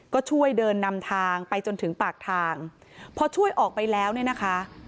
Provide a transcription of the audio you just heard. ก็ช่วยเดินนำทางไปจนถึงปากทางพอช่วยออกไปแล้วเนี่ยนะคะ